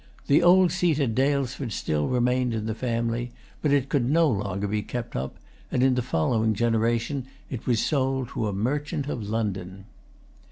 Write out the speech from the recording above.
The old seat at Daylesford still remained in the family; but it could no longer be kept up; and in the following generation it was sold to a merchant of London.